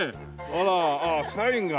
あらああサインが。